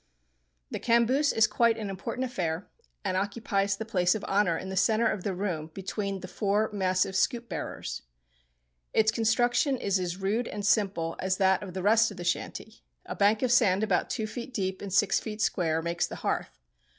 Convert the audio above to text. The "camboose" is quite an important affair, and occupies the place of honour in the centre of the room between the four massive scoop bearers. Its construction is as rude and simple as that of the rest of the shanty. A bank of sand about two feet deep and six feet square makes the hearth.